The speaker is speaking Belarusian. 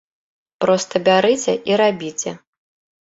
Проста бярыце і рабіце!